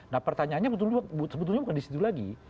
nah pertanyaannya sebetulnya bukan di situ lagi